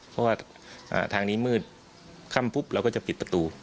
เพราะว่าทางนี้มืดค่ำปุ๊บเราก็จะปิดประตู